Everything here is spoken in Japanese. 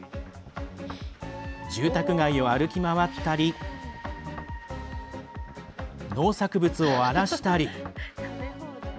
住宅街を歩き回ったり農作物を荒らしたり。